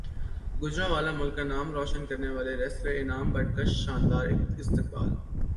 گوجرانوالہ ملک کا نام روشن کرنیوالے ریسلر انعام بٹ کا شاندار استقبال